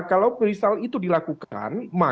kalau misal itu dilakukan